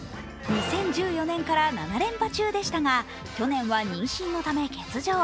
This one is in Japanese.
２０１４年から７連覇中でしたが去年は妊娠のため欠場。